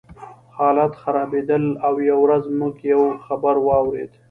حالات خرابېدل او یوه ورځ موږ یو خبر واورېد